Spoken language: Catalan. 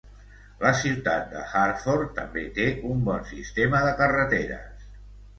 La ciutat de Hartford també té un bon sistema de carreteres.